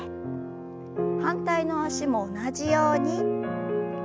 反対の脚も同じように。